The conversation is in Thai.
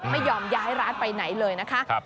ไม่ยอมย้ายร้านไปไหนเลยนะคะ